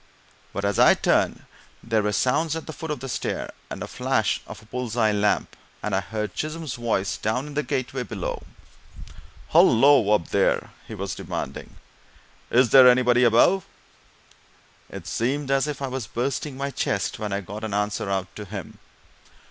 But as I turned there were sounds at the foot of the stair, and the flash of a bull's eye lamp, and I heard Chisholm's voice down in the gateway below. "Hullo, up there!" he was demanding. "Is there anybody above?" It seemed as if I was bursting my chest when I got an answer out to him.